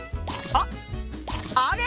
あっあれ